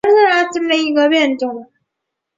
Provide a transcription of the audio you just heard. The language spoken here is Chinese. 光叶箬竹为禾本科箬竹属下的一个变种。